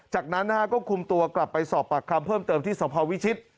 จากนั้นนะฮะก็คุมตัวกลับไปสอบปากคำเพิ่มเติมที่สพวิชิต